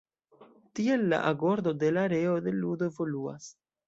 Tiel la agordo de la areo de ludo evoluas.